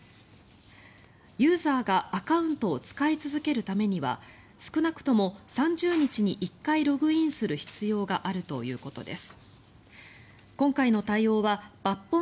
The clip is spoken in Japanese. ユーザーがアカウントを使い続けるためには少なくとも３０日に１回ログインする必要があるということです。